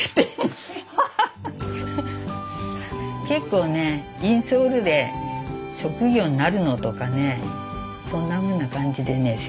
結構ね「インソールで職業になるの？」とかねそんなふうな感じでね